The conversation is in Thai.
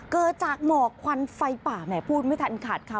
เกิดจากหมอกควันไฟป่าแหมพูดไม่ทันขาดค่ะ